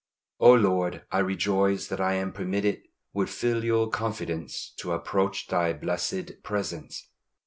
O Lord, I rejoice that I am permitted with filial confidence to approach Thy blessed presence.